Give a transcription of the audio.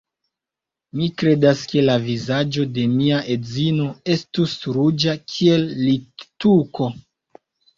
Mi kredas, ke la vizaĝo de mia edzino estus ruĝa kiel littuko.